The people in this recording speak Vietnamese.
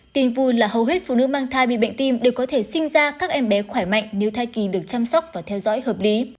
tin vui là hầu hết phụ nữ mang thai bị bệnh tim đều có thể sinh ra các em bé khỏe mạnh nếu thai kỳ được chăm sóc và theo dõi hợp lý